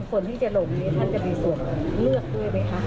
คนที่จะลงนี้ท่านจะมีส่วนเลือกด้วยไหมคะ